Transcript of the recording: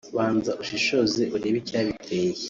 banza ushishoze urebe icyabiteye